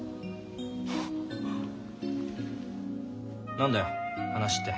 何だよ話って。